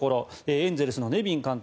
エンゼルスのネビン監督